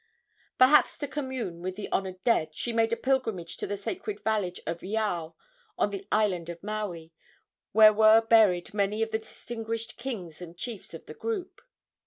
Perhaps to commune with the honored dead, she made a pilgrimage to the sacred valley of Iao, on the island of Maui, where were buried many of the distinguished kings and chiefs of the group.